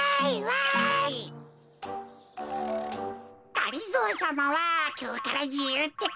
がりぞーさまはきょうからじゆうってか？